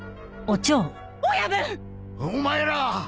お前ら！